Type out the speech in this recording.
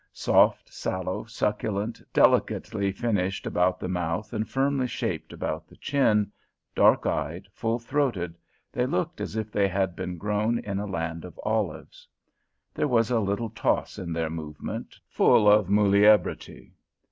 Soft, sallow, succulent, delicately finished about the mouth and firmly shaped about the chin, dark eyed, full throated, they looked as if they had been grown in a land of olives. There was a little toss in their movement, full of muliebrity.